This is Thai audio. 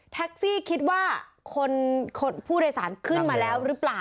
คิดว่าคนผู้โดยสารขึ้นมาแล้วหรือเปล่า